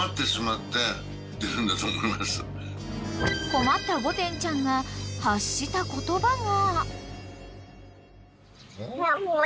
［困ったゴテンちゃんが発した言葉が］